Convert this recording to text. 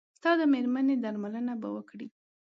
ستا د مېرمنې درملنه به وکړي.